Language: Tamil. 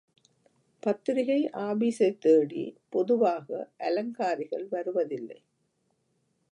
பத்திரிகை ஆபீஸைத் தேடி பொதுவாக அலங்காரிகள் வருவதில்லை.